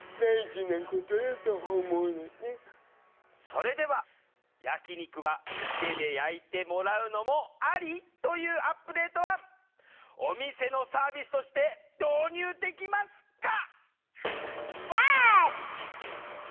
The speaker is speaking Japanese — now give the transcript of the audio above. それでは「焼き肉は店で焼いてもらうのもアリ」というアップデート案お店のサービスとして導入できますか？